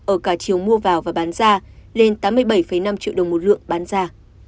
ở cả chiều mua vào và bán ra lên tám mươi bảy năm triệu đồng một lượng bán ra